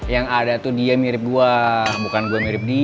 yang ada tuh dia mirip buah bukan gua mirip dia